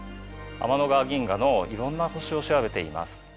天の川銀河のいろんな星を調べています。